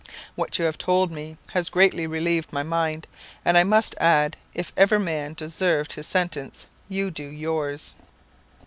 What you have told me has greatly relieved my mind; and I must add, if ever man deserved his sentence, you do yours."